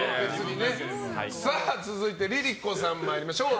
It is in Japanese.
続いてＬｉＬｉＣｏさん参りましょう。